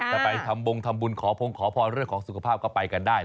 ไปทำบงทำบุญขอพงขอพรเรื่องของสุขภาพก็ไปกันได้